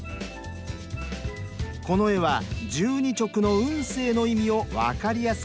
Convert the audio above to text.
この絵は「十二直」の運勢の意味を分かりやすく伝える絵。